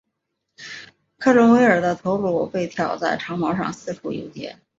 克伦威尔的头颅被挑在长矛上四处游街。